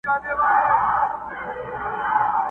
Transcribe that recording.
زور لري چي ځان کبابولای سي،